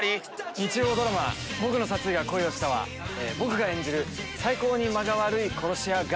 日曜ドラマ『ボクの殺意が恋をした』は僕が演じる最高に間が悪い殺し屋が。